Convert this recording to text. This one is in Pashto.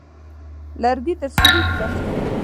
لرګي درسوري کړم.